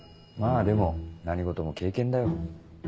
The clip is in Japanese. まぁでも何事も経験だよ。